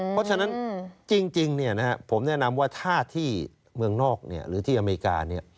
เพราะฉะนั้นจริงผมแนะนำว่าถ้าที่เมืองนอกหรือที่อเมริกา